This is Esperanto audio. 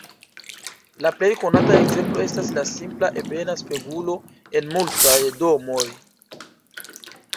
La plej konata ekzemplo estas la simpla ebena spegulo en multaj domoj.